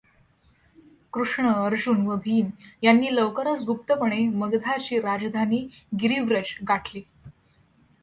कृष्ण, अर्जुन व भीम यांनी लवकरच गुप्तपणे मगधाची राजधानी गिरिव्रज गाठली.